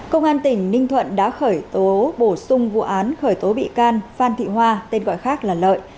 công an tỉnh ninh thuận đã khởi tố bổ sung vụ án khởi tố bị can phan thị hoa tên gọi khác là lợi